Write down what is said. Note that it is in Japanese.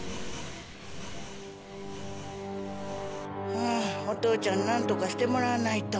はあお父ちゃんになんとかしてもらわないと。